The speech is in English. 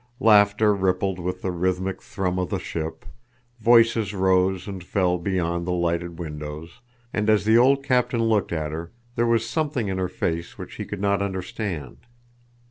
Laughter rippled with the rhythmic thrum of the ship, voices rose and fell beyond the lighted windows, and as the old captain looked at her, there was something in her face which he could not understand.